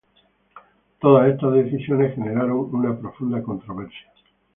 Todas estas decisiones generaron una profunda controversia.